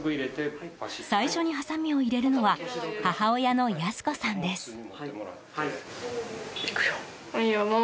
最初に、はさみを入れるのは母親の康子さんです。